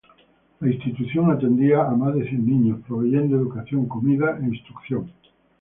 La institución atendía a más de cien niños proveyendo educación, comida e instrucción católica.